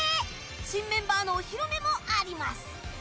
新メンバーのお披露目もあります！